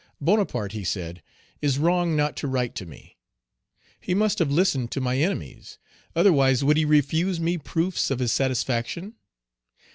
"Bonaparte," he said, "is wrong not to write to me; he must have listened to my enemies, otherwise would he refuse me proofs of his satisfaction?